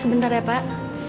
sebentar ya pak